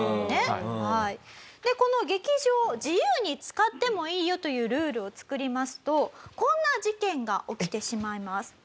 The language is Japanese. でこの劇場を自由に使ってもいいよというルールを作りますとこんな事件が起きてしまいます。